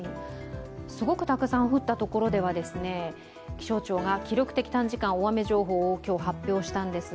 すごくたくさん降った所では、気象庁が記録的短時間大雨情報を今日、発表したんです。